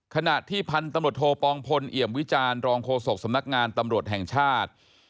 ขณะที่พันธุ์ตำรวจโทปองพลเอี่ยมวิจารณรองโฆษกสำนักงานตำรวจแห่งชาติ